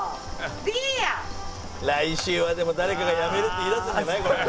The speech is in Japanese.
来週はでも誰かがやめるって言いだすんじゃない？